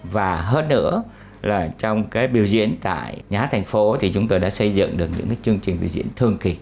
và hơn nữa là trong cái biểu diễn tại nhà hát thành phố thì chúng tôi đã xây dựng được những cái chương trình biểu diễn thường kỳ